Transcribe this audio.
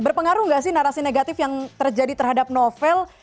berpengaruh nggak sih narasi negatif yang terjadi terhadap novel